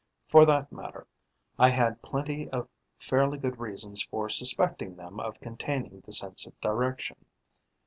For that matter, I had plenty of fairly good reasons for suspecting them of containing the sense of direction.